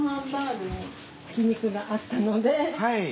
ひき肉があったので。